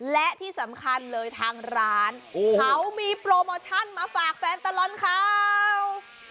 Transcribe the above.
และที่สำคัญเลยทางร้านเขามีโปรโมชั่นมาฝากแฟนตลอดข่าว